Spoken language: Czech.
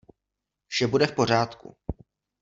Vše bude v pořádku.